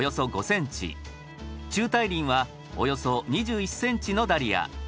中大輪はおよそ２１ｃｍのダリア。